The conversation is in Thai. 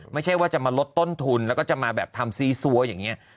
ไม่ใช่ว่าจะมาลดต้นทุนแล้วก็จะมาแบบทำซีซัวอย่างนี้